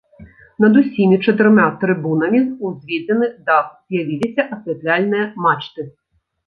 Над усімі чатырма трыбунамі ўзведзены дах, з'явіліся асвятляльныя мачты.